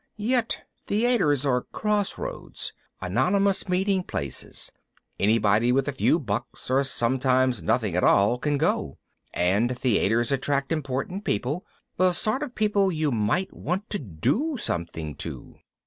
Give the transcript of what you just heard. Yet theaters are crossroads, anonymous meeting places, anybody with a few bucks or sometimes nothing at all can go. And theaters attract important people, the sort of people you might want to do something to.